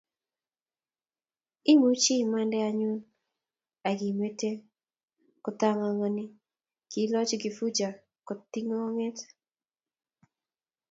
Imuchi umande anyun akimete kotangangani, kiikoch Kifuja kotigonet